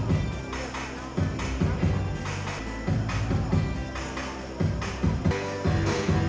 คือเรามันก็มีของคุณแกร่ง